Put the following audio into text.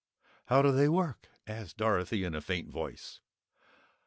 "How do they work?" asked Dorothy in a faint voice.